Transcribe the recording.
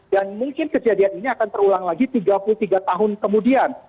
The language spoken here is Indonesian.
dan mungkin kejadian ini akan terulang lagi tiga puluh tiga tahun kemudian